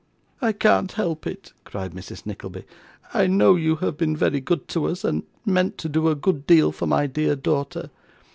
'I can't help it,' cried Mrs. Nickleby. 'I know you have been very good to us, and meant to do a good deal for my dear daughter.